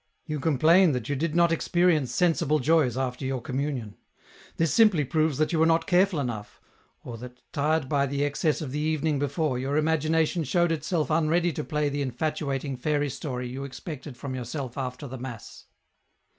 You complain that you did not experience sensible joys after your communion ; this simply proves that you were not careful enough, or that, tired by the excess of the evenmg before, your imagination showed itself unready to play the infatuating fairy story you expected from yourself after the mass.